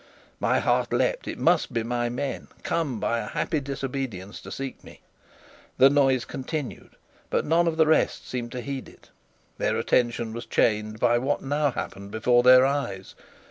My heart leapt. It must be my men, come by a happy disobedience to seek me. The noise continued, but none of the rest seemed to heed it. Their attention was chained by what now happened before their eyes.